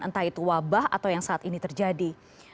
entah itu wabah atau yang saat ini terjadi